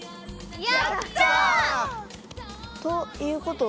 やった！ということは？